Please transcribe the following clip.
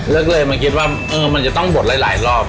แล้วก็เลยมาคิดว่ามันจะต้องบดหลายรอบ